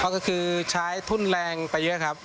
ก็คือใช้ทุนแรงไปเยอะครับ